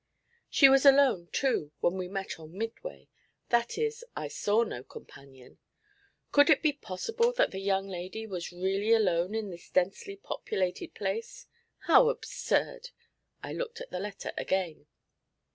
She was alone, too, when we met on Midway; that is, I saw no companion. Could it be possible that the young lady was really alone in this densely populated place? How absurd! I looked at the letter again.